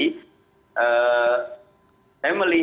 dan juga yang menurut saya penting juga dalam konteks kebijakan negara ini